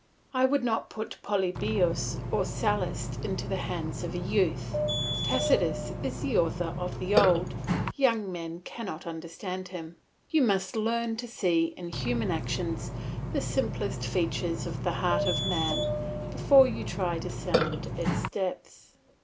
I would not put Polybius or Sallust into the hands of a youth; Tacitus is the author of the old, young men cannot understand him; you must learn to see in human actions the simplest features of the heart of man before you try to sound its depths.